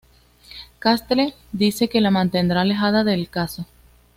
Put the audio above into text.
Castle dice que la mantendrá alejada del caso.